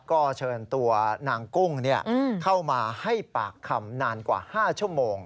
ก็เชิญตัวนางกุ้งเข้ามาให้ปากคำนานกว่า๕ชั่วโมง